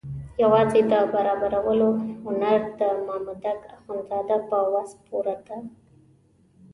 یوازې د برابرولو هنر د مامدک اخندزاده په وس پوره ده.